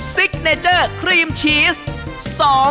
ซิกเนเจอร์ครีมชีส